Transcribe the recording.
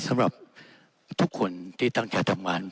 สำหรับทุกคนที่ตั้งใจทำงาน